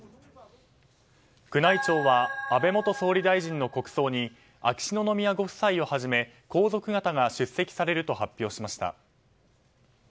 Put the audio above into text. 宮内庁は安倍元総理大臣の国葬に秋篠宮ご夫妻をはじめ皇族方が出席されると発表しました。